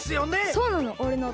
そうなの。